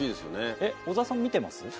えっ小澤さん見てます？